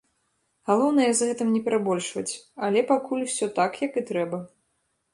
Галоўнае, з гэтым не перабольшваць, але пакуль усё так, як і трэба.